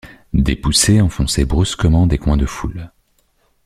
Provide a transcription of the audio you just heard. Des poussées enfonçaient brusquement des coins de foule.